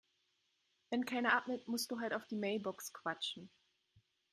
Wenn keiner abnimmt, musst du halt auf die Mailbox quatschen.